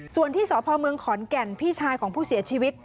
ส่วนที่สพเมืองขอนแก่นพี่ชายของผู้เสียชีวิต